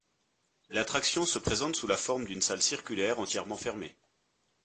L'attraction se présente sous la forme d'une salle circulaire entièrement fermée.